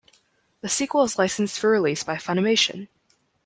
The sequel is licensed for release by Funimation.